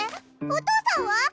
お父さんは？